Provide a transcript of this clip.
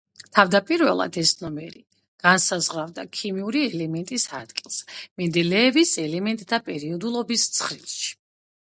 თავდაპირველად, ეს ნომერი განსაზღვრავდა ქიმიური ელემენტის ადგილს მენდელეევის ელემენტთა პერიოდულობის ცხრილში.